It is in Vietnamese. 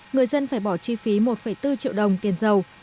người dân phải bỏ chi phí một bốn triệu đồng tiền dầu